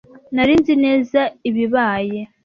Nari nzi neza ibibaye.